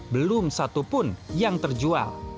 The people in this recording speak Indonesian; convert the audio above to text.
belum satu pun yang terjual